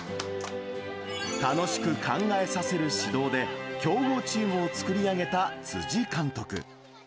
楽しく考えさせる指導で、強豪チームを作り上げた辻監督。